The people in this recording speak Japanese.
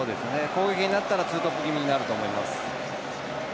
攻撃になったらツートップ気味になると思います。